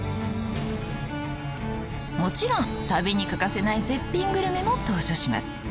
もちろん旅に欠かせない絶品グルメも登場します。